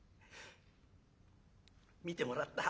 診てもらった。